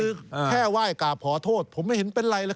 คือแค่ไหว้กราบขอโทษผมไม่เห็นเป็นไรเลย